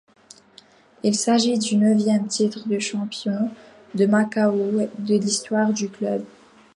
Il s’agit du neuvième titre de champion de Macao de l’histoire du club.